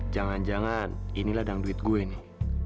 jangan jangan inilah dang duit gue nih